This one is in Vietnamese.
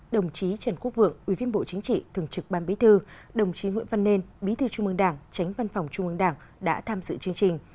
đồng chí trần quốc vượng ủy viên bộ chính trị thường trực ban bí thư đồng chí nguyễn văn nên bí thư trung ương đảng tránh văn phòng trung ương đảng đã tham dự chương trình